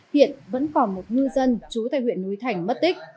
hiện vẫn còn một ngư dân trú tại huyện núi thành mất tích